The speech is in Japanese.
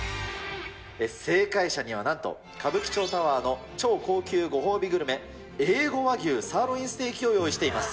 正解者にはなんと、歌舞伎町タワーの超高級ご褒美グルメ、Ａ５和牛サーロインステーキを用意しています。